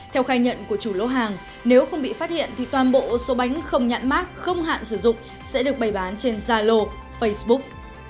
theo khai nhận của chủ lô hàng nếu không bị phát hiện thì toàn bộ số bánh không nhãn mát không hạn sử dụng sẽ được bày bán trên zalo facebook